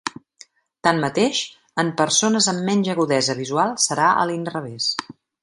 Tanmateix, en persones amb menys agudesa visual serà a l’inrevés.